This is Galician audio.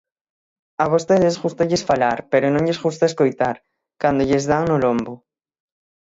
A vostedes gústalles falar, pero non lles gusta escoitar, cando lles dan no lombo.